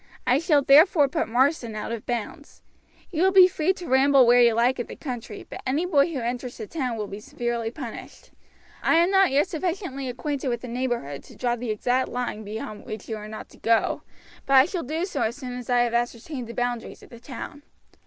I shall therefore put Marsden out of bounds. You will be free to ramble where you like in the country, but any boy who enters the town will be severely punished. I am not yet sufficiently acquainted with the neighborhood to draw the exact line beyond which you are not to go, but I shall do so as soon as I have ascertained the boundaries of the town.